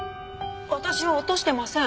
私は落としてません。